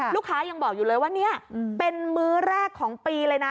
ลูกค้ายังบอกอยู่เลยว่าเนี่ยเป็นมื้อแรกของปีเลยนะ